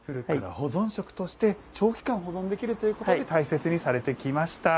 保存食として長期間保存できるということで大切にされてきました。